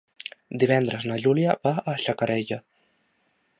Divendres na Júlia va a Xacarella.